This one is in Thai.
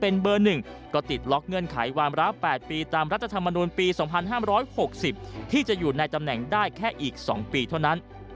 เป็นเบอร์๑ก็ติดล็อกเงื่อนไขวามระ๘ปีตามรัฐธรรมนูลปี๒๕๖๐ที่จะอยู่ในตำแหน่งได้แค่อีก๒ปีเท่านั้น